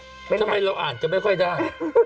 ทุกคนว่าถ้าไม่เราอ่านจะไม่ค่อยได้